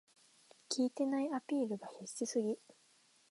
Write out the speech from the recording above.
効いてないアピールが必死すぎ